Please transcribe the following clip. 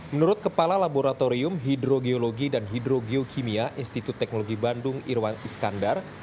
menurut kepala laboratorium hidrogeologi dan hidro geokimia institut teknologi bandung irwan iskandar